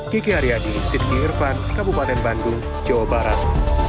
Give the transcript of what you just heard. gigi aryadi sidki irfan kabupaten bandung jawa barat